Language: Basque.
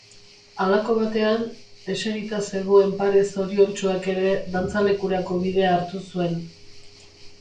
Halako batean, eserita zegoen pare zoriontsuak ere dantzalekurako bidea hartu zuen.